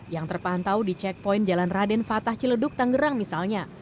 yang terpantau di checkpoint jalan raden fatah ciledug tangerang misalnya